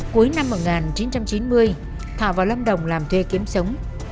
cuối năm một nghìn chín trăm chín mươi thảo vào lâm đồng làm thuê kiếm sống